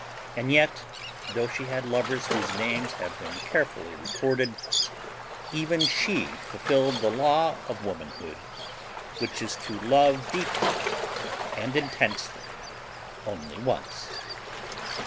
And yet, though she had lovers whose names have been carefully recorded, even she fulfilled the law of womanhood which is to love deeply and intensely only once.